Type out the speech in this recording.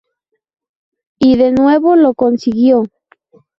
Y, de nuevo, lo consiguió.